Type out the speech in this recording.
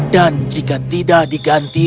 dan jika tidak diganti